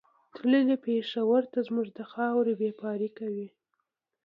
تللی پېښور ته زموږ د خاورې بېپاري کوي